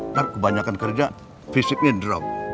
karena kebanyakan kerja fisiknya drop